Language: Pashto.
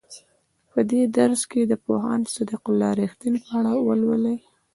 په دې درس کې د پوهاند صدیق الله رښتین په اړه ولولئ.